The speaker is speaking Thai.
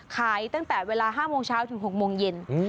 ขายตั้งแต่เวลาห้ามงเช้าถึงหกโมงเย็นอือ